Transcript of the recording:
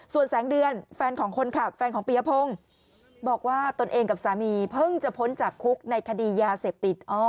ส่วนแสงเดือนแฟนของคนขับแฟนของปียพงศ์บอกว่าตนเองกับสามีเพิ่งจะพ้นจากคุกในคดียาเสพติด